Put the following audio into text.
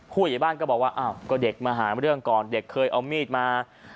ผู้ใหญ่บ้านก็บอกว่าอ้าวก็เด็กมาหาเรื่องก่อนเด็กเคยเอามีดมา